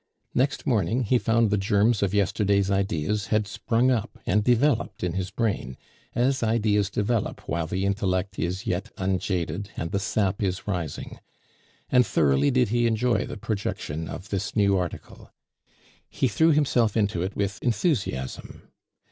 Next morning he found the germs of yesterday's ideas had sprung up and developed in his brain, as ideas develop while the intellect is yet unjaded and the sap is rising; and thoroughly did he enjoy the projection of this new article. He threw himself into it with enthusiasm.